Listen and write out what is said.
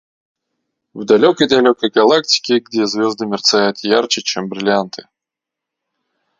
В далекой-далекой галактике, где звезды мерцают ярче, чем бриллианты,